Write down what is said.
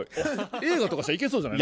映画とかしたらいけそうじゃない？